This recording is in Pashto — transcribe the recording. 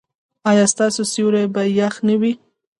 ایا ستاسو سیوري به يخ نه وي؟